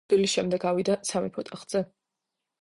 მისი სიკვდილის შემდეგ ავიდა სამეფო ტახტზე.